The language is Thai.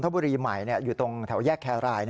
บุรีใหม่อยู่ตรงแถวแยกแครราย